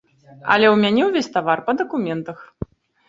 Але ў мяне ўвесь тавар па дакументах.